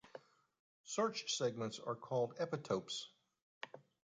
Such segments are called epitopes.